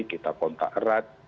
kita kontak erat